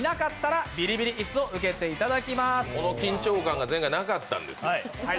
この緊張感が前回、なかったんですよ。